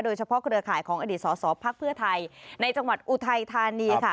เครือข่ายของอดีตสอสอภักดิ์เพื่อไทยในจังหวัดอุทัยธานีค่ะ